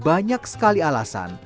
banyak sekali alasan